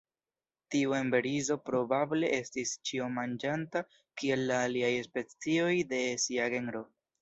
Tiu emberizo probable estis ĉiomanĝanta, kiel la aliaj specioj de sia genro.